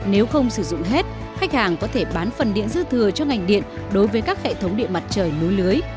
nếu không sử dụng hết khách hàng có thể bán phần điện dư thừa cho ngành điện đối với các hệ thống điện mặt trời núi lưới